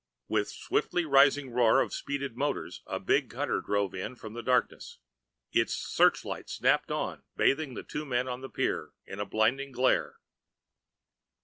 With swiftly rising roar of speeded motors, a big cutter drove in from the darkness. Its searchlight snapped on, bathing the two men on the pier in a blinding glare.